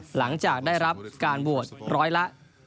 หลังจากได้รับการวัดร้อยละ๔๑๓๓